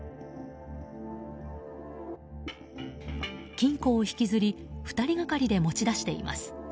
金庫を引きずり２人がかりで持ち出しています。